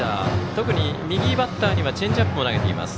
特に右バッターにはチェンジアップも投げています。